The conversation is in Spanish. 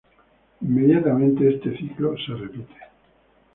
Inmediatamente, este ciclo se repite.